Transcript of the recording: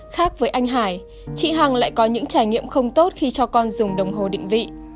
khác với anh hải chị hằng lại có những trải nghiệm không tốt khi cho con dùng đồng hồ định vị